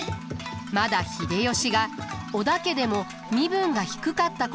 まだ秀吉が織田家でも身分が低かった頃だと考えられます。